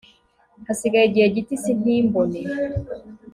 hasigaye igihe gito isi ntimbone